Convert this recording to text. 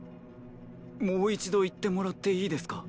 もう一度言ってもらっていいですか？